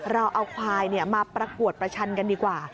เราเอาควายมาประกวดประชันกันดีกว่า